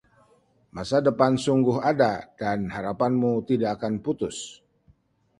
Masa depan sungguh ada, dan harapanmu tidak akan putus.